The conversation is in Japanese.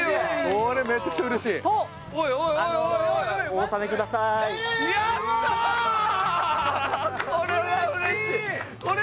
これめっちゃうれしい！